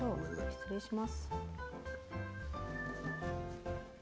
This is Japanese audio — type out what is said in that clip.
失礼します。